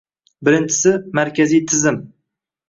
Birinchisi, markaziy tizim.